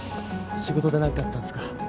仕事で何かあったんすか？